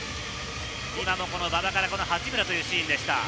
馬場から八村というシーンでした。